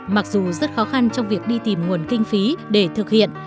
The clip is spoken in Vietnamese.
mặc dù rất khó khăn trong việc đi tìm nguồn kinh phí để thực hiện